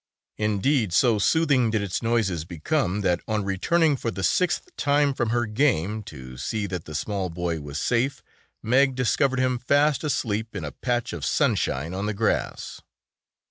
Indeed, so soothing did its noises become that, on returning for the sixth time from her game to see that the small boy was safe, Meg discovered him fast asleep in a patch of sunshine on the grass.